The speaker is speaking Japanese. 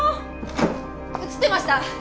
映ってました。